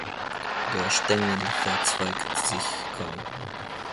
Der Stängel verzweigt sich kaum.